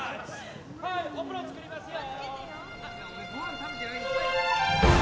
はいお風呂作りますよ・